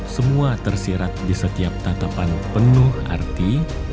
semua tersirat di setiap tatapan penuh arti